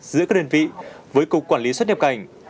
giữa các đơn vị với cục quản lý xuất nhập cảnh